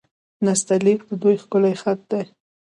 نستعلیق د دوی ښکلی خط دی.